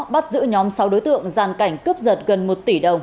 bắt giữ nhóm sáu đối tượng giàn cảnh cướp giật gần một tỷ đồng